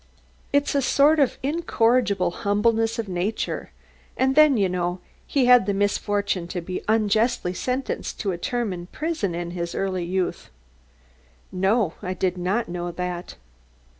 It's a sort of incorrigible humbleness of nature and then, you know, he had the misfortune to be unjustly sentenced to a term in prison in his early youth." "No, I did not know that."